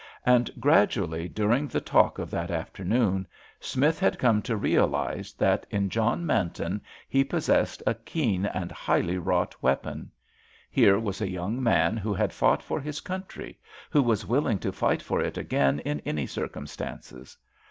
And gradually, during the talk of that afternoon, Smith had come to realise that in John Manton he possessed a keen and highly wrought weapon. Here was a young man who had fought for his country, who was willing to fight for it again in any circumstances.